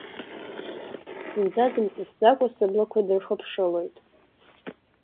Зынӡа дымҵысӡакәа сыблақәа дрыхԥшылоит.